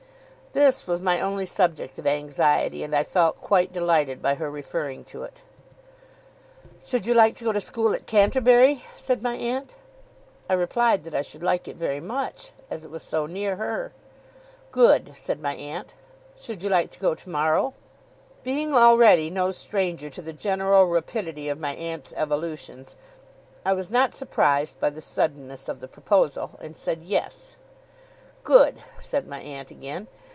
This was my only subject of anxiety, and I felt quite delighted by her referring to it. 'Should you like to go to school at Canterbury?' said my aunt. I replied that I should like it very much, as it was so near her. 'Good,' said my aunt. 'Should you like to go tomorrow?' Being already no stranger to the general rapidity of my aunt's evolutions, I was not surprised by the suddenness of the proposal, and said: 'Yes.' 'Good,' said my aunt again.